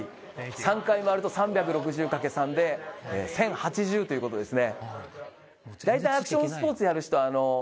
３回回ると３６０かけ３で、１０８０ということですね。